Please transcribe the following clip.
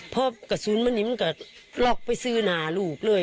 พ่อกระซุนมนี่มันก็ล็อกไปซื่อหนาลูกเลย